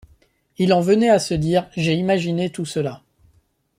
Il en venait à se dire: J’ai imaginé tout cela.